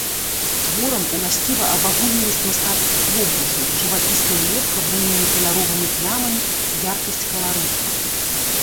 Творам уласціва абагульненасць мастацкіх вобразаў, жывапісная лепка буйнымі каляровымі плямамі, яркасць каларыту.